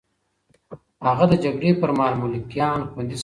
هغه د جګړې پر مهال ملکيان خوندي ساتل.